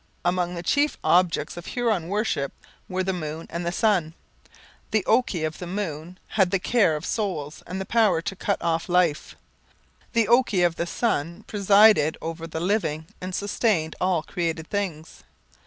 Among the chief objects of Huron worship were the moon and the sun. The oki of the moon had the care of souls and the power to cut off life; the oki of the sun presided over the living and sustained all created things.